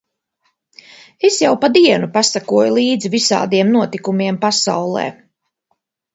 Es jau pa dienu pasekoju līdzi visādiem notikumiem pasaulē.